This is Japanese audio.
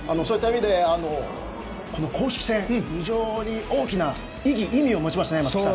そういった意味でこの公式戦は非常に大きな意味を持ちますね。